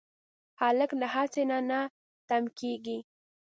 هلک له هڅې نه نه تم کېږي.